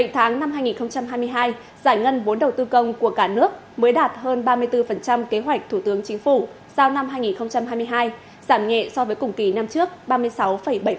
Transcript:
bảy tháng năm hai nghìn hai mươi hai giải ngân vốn đầu tư công của cả nước mới đạt hơn ba mươi bốn kế hoạch thủ tướng chính phủ giao năm hai nghìn hai mươi hai giảm nhẹ so với cùng kỳ năm trước ba mươi sáu bảy